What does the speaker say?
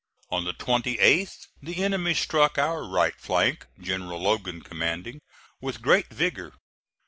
On the 28th the enemy struck our right flank, General Logan commanding, with great vigor.